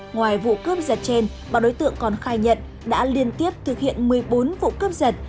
ngoài vụ cướp giật trên bà đối tượng còn khai nhận đã liên tiếp thực hiện một mươi bốn vụ cướp giật